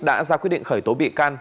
đã ra quyết định khởi tố bị can